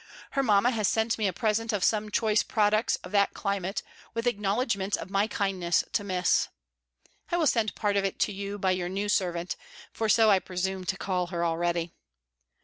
Her mamma has sent me a present of some choice products of that climate, with acknowledgments of my kindness to Miss. I will send part of it to you by your new servant; for so I presume to call her already.